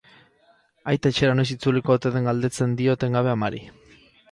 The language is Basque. Aita etxera noiz itzuliko ote den galdetzen dio etengabe amari.